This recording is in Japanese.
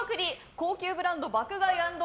高級ブランド爆買い＆